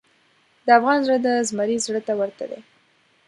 د افغان زړه د زمري زړه ته ورته دی.